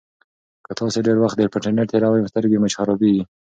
که تاسي ډېر وخت په انټرنيټ تېروئ سترګې مو خرابیږي.